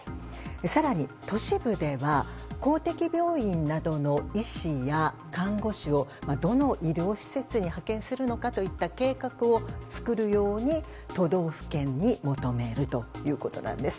更に、都市部では公的病院などの医師や看護師を、どの医療施設に派遣するのかといった計画を作るように都道府県に求めるということです。